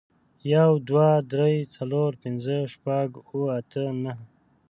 يو، دوه، درې، څلور، پينځه، شپږ، اووه، اته، نهه